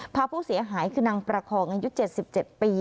พาผู้เสียหายคือนางประคองอายุ๗๗ปี